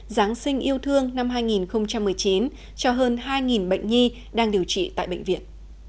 giáng sinh yêu thương năm hai nghìn một mươi chín cho hơn hai bệnh nhi đang điều trị tại bệnh viện